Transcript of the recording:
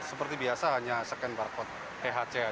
seperti biasa hanya scan barcode thc aja